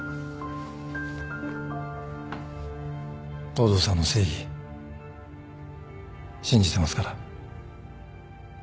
東堂さんの正義信じてますから。